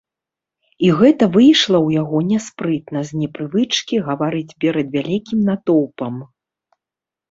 І гэта выйшла ў яго няспрытна з непрывычкі гаварыць перад вялікім натоўпам.